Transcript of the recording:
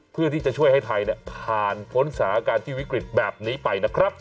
เพื่อที่จะช่วยให้ไทยผ่านพ้นสถานการณ์ที่วิกฤตแบบนี้ไปนะครับ